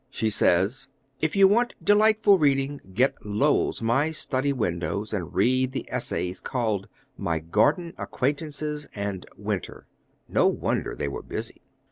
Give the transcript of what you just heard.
She says, "If you want delightful reading, get Lowell's My Study Windows, and read the essays called My Garden Acquaintances and Winter." No wonder they were busy.